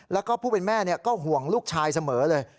แล้วก็ผู้เป็นแม่ก็ห่วงลูกชายเสมอเลย